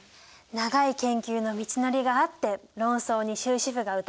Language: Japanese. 長い研究の道のりがあって論争に終止符が打たれたわけね。